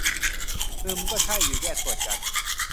อืม ก็ใช่ อยู่แยกส่วนกัน